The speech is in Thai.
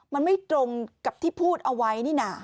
มันไม่ตรงกับที่พูดเอาไว้นี่นะ